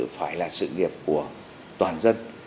phải là sự nghiệp của toàn dân